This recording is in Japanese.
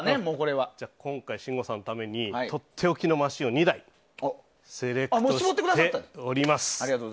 今回、信五さんのためにとっておきのマシンを２台セレクトしております。